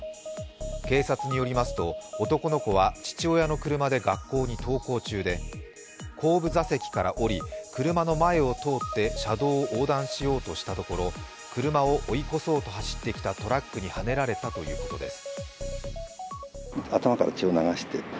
警察によりますと男の子は父親の車で学校に登校中で後部座席から降り、車の前を通って車道を横断しようとしたところ車を追い越そうと走ってきたトラックにはねられたということです。